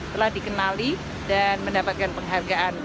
telah dikenali dan mendapatkan penghargaan